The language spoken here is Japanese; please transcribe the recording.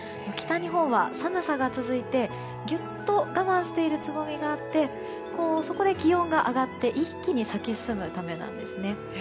北日本は寒さが続いて、ぎゅっと我慢しているつぼみがあってそこで気温が上がって一気に咲き進むためなんです。